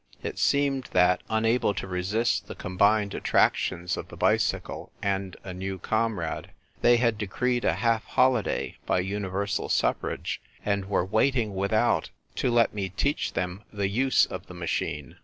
It seemed that, unable to resist the combined attractions of the bicycle and a new comrade, they had decreed a half holiday by universal suffrage, and were waiting without to let mc teach them the use of the machine.